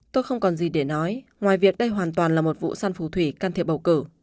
tôi không còn gì để nói ngoài việc đây hoàn toàn là một vụ săn phù thủy can thiệp bầu cử